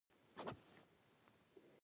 مستعارله د استعارې لومړی رکن دﺉ.